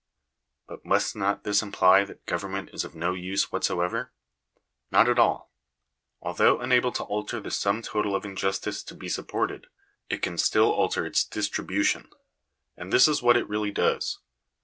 But must not this imply that government is of no use what* ever ? Not at all. Although unable to alter the sum total of injustice to be supported, it can still alter its distribution. And this is what it really does.